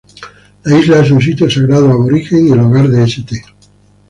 La isla es un sitio sagrado aborigen y el hogar de St.